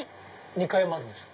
２階もあるんですか？